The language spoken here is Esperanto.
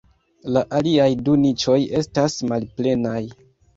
La aliaj du niĉoj estas malplenaj.